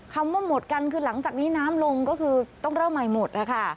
คำว่าหมดกันคือหลังจากนี้น้ำลงก็คือต้องเริ่มใหม่หมดนะคะ